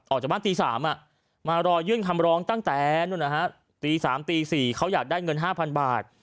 ออกจากบ้านตี๓มารอยื่นคำร้องตั้งแต่ตี๓ตี๔เขาอยากได้เงิน๕๐๐บาท